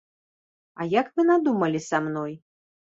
А як вы надумалі са мной?